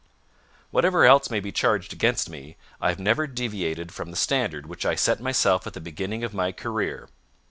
Whatever else may be charged against me, I have never deviated from the standard which I set myself at the beginning of my career.